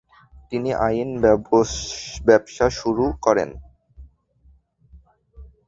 তিনি আইন ব্যবসা শুরু করেন।